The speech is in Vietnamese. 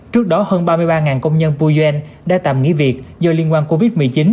trước đó hơn ba mươi ba công nhân pujen đã tạm nghỉ việc do liên quan covid một mươi chín